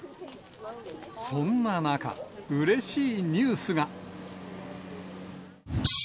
そんな中、うれしいニュースが。